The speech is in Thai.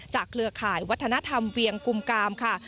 เครือข่ายวัฒนธรรมเวียงกุมกามค่ะ